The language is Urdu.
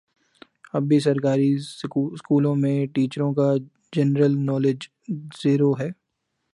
اب بھی سرکاری سکولوں میں ٹیچروں کا جنرل نالج زیرو ہے